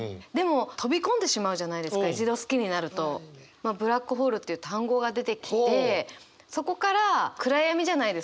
まあ「ブラックホール」っていう単語が出てきてそこから暗闇じゃないですか。